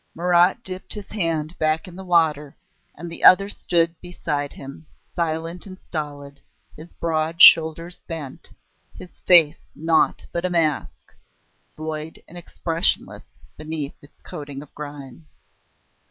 Marat dipped his hand back into the water, and the other stood beside him, silent and stolid, his broad shoulders bent, his face naught but a mask, void and expressionless beneath its coating of grime.